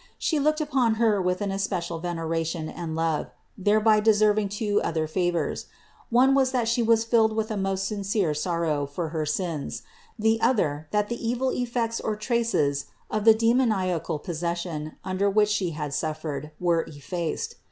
She looked upon Her with an especial veneration and love, thereby deserving two other favors. One was that she was filled with a most sincere sorrow for her sins ; the other, that the evil effects or traces of the demoniacal possession under which she had suffered were effaced.